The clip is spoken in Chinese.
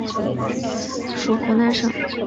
属湖南省。